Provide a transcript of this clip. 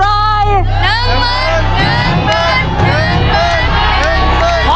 ปล่อยเร็วเร็ว